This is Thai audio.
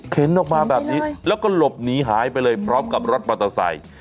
ออกมาแบบนี้แล้วก็หลบหนีหายไปเลยพร้อมกับรถมอเตอร์ไซค์